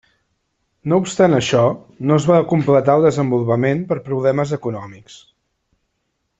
No obstant això, no es va completar el desenvolupament per problemes econòmics.